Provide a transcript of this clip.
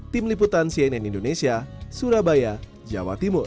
tim liputan cnn indonesia surabaya jawa timur